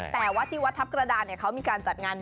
แต่ว่าที่วัดทัพกระดานเขามีการจัดงาน